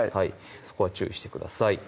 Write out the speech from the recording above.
そこは注意してください